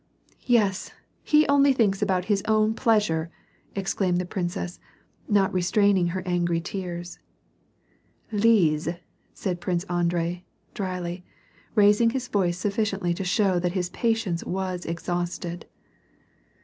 30 WAR AND PEACE, " Yes, lie only thinks about his own pleasure !" exclaimed the princess, not restraining her angry tears. "Lise," said Prince Andrei, dryly, raising his voice sufB. ciently to show that his patience was exhausted.